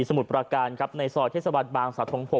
สมุดประการครับในซอยเทศวันบางสัตว์๖๖